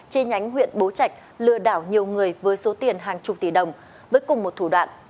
chi nhánh huyện bố trạch lừa đảo nhiều người với số tiền hàng chục tỷ đồng với cùng một thủ đoạn